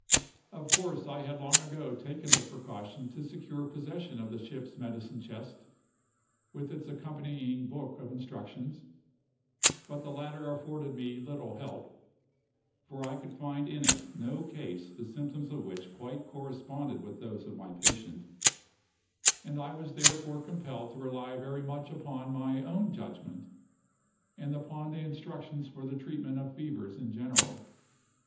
Of course I had long ago taken the precaution to secure possession of the ship's medicine chest, with its accompanying book of instructions; but the latter afforded me little help, for I could find in it no case the symptoms of which quite corresponded with those of my patient, and I was therefore compelled to rely very much upon my own judgment, and upon the instructions for the treatment of fevers in general.